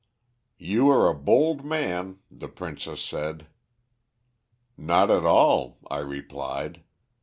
"'You are a bold man,' the princess said. "'Not at all,' I replied.